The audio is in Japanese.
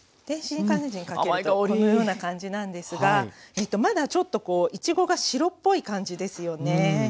電子レンジにかけるとこのような感じなんですがまだちょっといちごが白っぽい感じですよね。